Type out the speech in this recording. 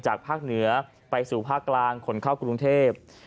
ภาคเหนือไปสู่ภาคกลางขนเข้ากรุงเทพ